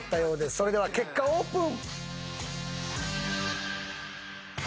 それでは結果オープン。